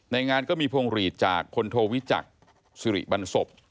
งานก็มีพวงหลีดจากพลโทวิจักษ์สิริบันศพ